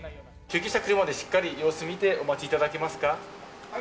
救急車が来るまで、しっかり様子見て、お待ちいただけますか？